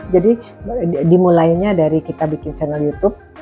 jadi dimulainya dari kita bikin channel youtube